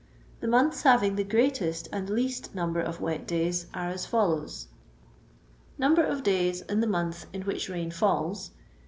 The months having the greatest and least number of wet days are as follows :— No. ofdavsin the month in which rain falls.